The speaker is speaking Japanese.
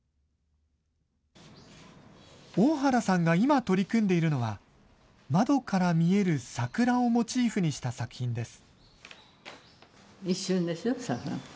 大原さんが今取り組んでいるのは、窓から見える桜をモチーフにした作品です。